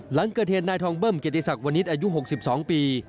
หลังเกิดเหตุนายทองเบิ้มเกียรติศักดิวนิษฐ์อายุ๖๒ปี